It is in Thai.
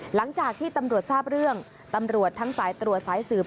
หลังจากที่ตำรวจทราบเรื่องตำรวจทั้งสายตรวจสายสืบ